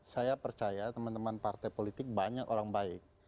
saya percaya teman teman partai politik banyak orang baik